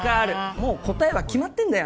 もう答えは決まってんだよ